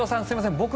すいません